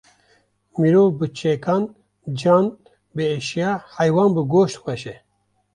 Mirov bi çekan, can bi eşya, heywan bi goşt xweş e